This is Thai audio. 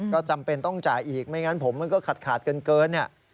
ก็จำเป็นต้องจ่ายอีกไม่งั้นผมมันก็ขาดเกินเนี่ย